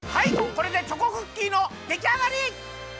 これでチョコクッキーのできあがり！